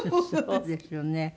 そうですよね。